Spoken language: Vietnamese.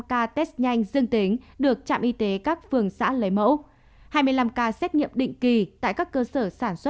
hai trăm một mươi năm ca test nhanh dương tính được trạm y tế các phường xã lấy mẫu